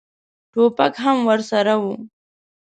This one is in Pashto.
ټوپک هم ورسره و.